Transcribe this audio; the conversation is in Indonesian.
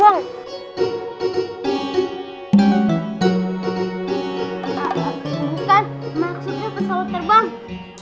bukan maksudnya pesawat terbang